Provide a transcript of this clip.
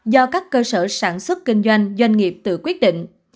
do các cơ sở sản xuất kinh doanh doanh nghiệp tự quyết định